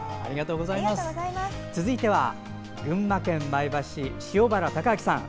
続いては群馬県前橋市塩原隆明さん。